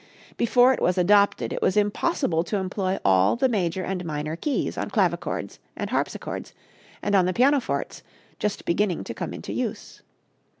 Before it was adopted it was impossible to employ all the major and minor keys on clavichords and harpsichords, and on the pianofortes, just beginning to come into use.